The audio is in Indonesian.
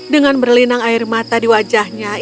dengan berlinang air mata di wajahnya dia berkata